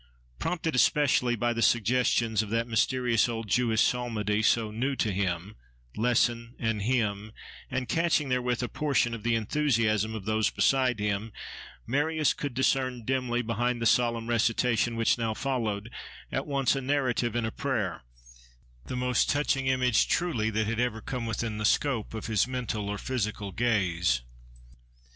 Prompted especially by the suggestions of that mysterious old Jewish psalmody, so new to him—lesson and hymn—and catching therewith a portion of the enthusiasm of those beside him, Marius could discern dimly, behind the solemn recitation which now followed, at once a narrative and a prayer, the most touching image truly that had ever come within the scope of his mental or physical gaze.